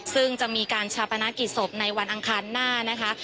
ซึ่งจะมีการชาปนกิจศพในวันอังคารหน้านะคะ